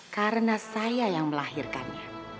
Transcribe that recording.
karena saya yang melahirkannya